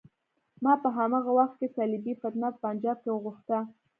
ما په هماغه وخت کې صلیبي فتنه په پنجاب کې غوښته.